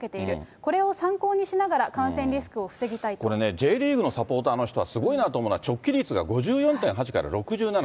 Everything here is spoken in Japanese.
これを参考にしながら、これね、Ｊリーグのサポーターの人は、すごいなと思うのは、直帰率が５４．８から６７。